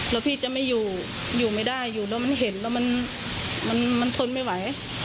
แล้วพี่จะไม่อยู่อยู่ไม่ได้อยู่แล้วมันเห็นแล้วมันทนไม่ไหว